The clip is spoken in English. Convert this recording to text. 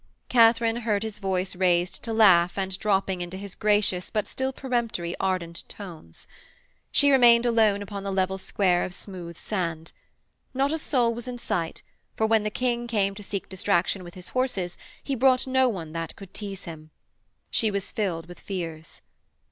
Katharine heard his voice raised to laugh and dropping into his gracious but still peremptory ardent tones. She remained alone upon the level square of smooth sand. Not a soul was in sight, for when the King came to seek distraction with his horses he brought no one that could tease him. She was filled with fears.